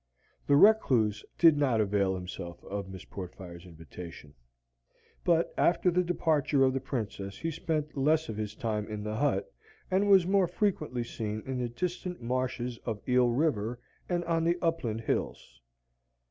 The recluse did not avail himself of Miss Portfire's invitation. But after the departure of the Princess he spent less of his time in the hut, and was more frequently seen in the distant marshes of Eel River and on the upland hills.